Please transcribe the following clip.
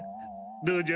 どうじゃ？